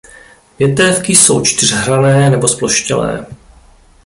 Větévky jsou čtyřhranné nebo zploštělé.